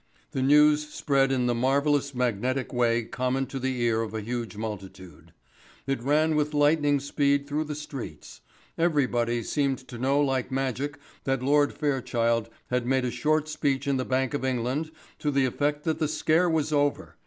The news spread in the marvellous magnetic way common to the ear of a huge multitude. It ran with lightning speed through the streets. Everybody seemed to know like magic that Lord Fairchild had made a short speech in the Bank of England to the effect that the scare was over.